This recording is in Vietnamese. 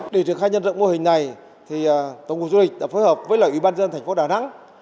để triển khai nhân dựng mô hình này tổng cụ du lịch đã phối hợp với ủy ban dân thành phố đà nẵng